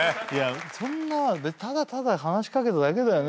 そんなただただ話し掛けただけだよね